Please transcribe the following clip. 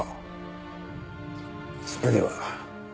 それでは。